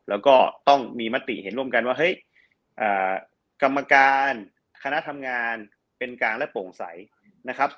แล้วก็ต้องมีมติเห็นร่วมกันว่าเฮ้ยกรรมการคณะทำงานเป็นกลางและโปร่งใสนะครับ